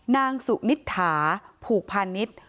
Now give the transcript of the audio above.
นางสุนิทธาผูกพานิท